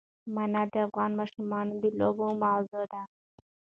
منی د افغان ماشومانو د لوبو موضوع ده.